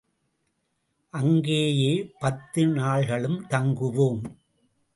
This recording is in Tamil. அங்கேயே பத்து நாள்களும் தங்குவோம்.